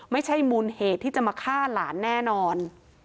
ไม่ใช่มูลเหตุที่จะมาฆ่าหลานแน่นอน